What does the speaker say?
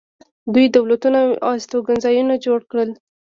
دوی دولتونه او استوګنځایونه جوړ کړل.